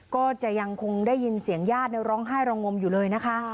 ก็จะยังคงได้ยินเสียงญาติร้องไห้ระงมอยู่เลยนะคะ